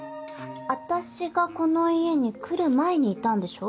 私がこの家に来る前にいたんでしょ？